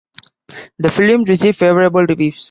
The film received favorable reviews.